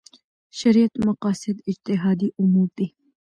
شریعت مقاصد اجتهادي امور دي.